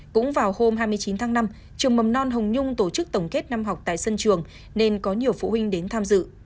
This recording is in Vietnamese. cũng vào hôm hai mươi chín tháng năm trường mầm non hồng nhung tổ chức tổng kết năm học tại sân trường nên có nhiều phụ huynh đến tham dự